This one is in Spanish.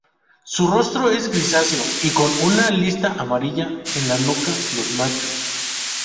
Su rostro es grisáceo y con una lista amarilla en la nuca los machos.